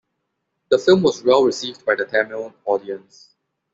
The film was well received by the Tamil audience.